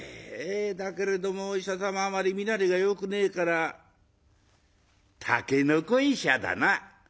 だけれどもお医者様あまり身なりがよくねえからたけのこ医者だな」。